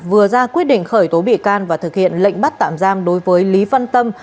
vừa ra quyết định khởi tố bị can và thực hiện lệnh bắt tạm giam đối với lý văn tâm